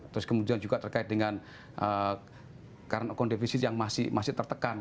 terus kemudian juga terkait dengan kondisi yang masih tertekan